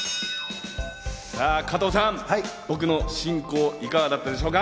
加藤さん、僕の進行、いかがだったでしょうか？